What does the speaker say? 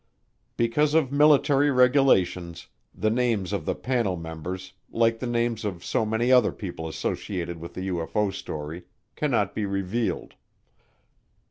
Because of military regulations, the names of the panel members, like the names of so many other people associated with the UFO story, cannot be revealed.